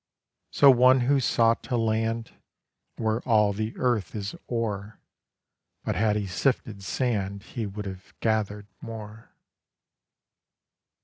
So one who sought a land Where all the earth is ore; But had he sifted sand He would have gather'd more.